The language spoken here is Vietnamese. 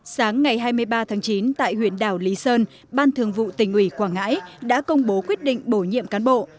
sáng ngày hai mươi ba tháng chín tại huyện đảo lý sơn ban thường vụ tỉnh ủy quảng ngãi đã công bố quyết định bổ nhiệm cán bộ